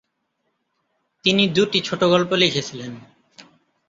তিনি দুটি ছোট গল্প লিখেছিলেন।